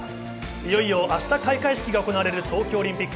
いよいよ明日開会式が行われる東京オリンピック。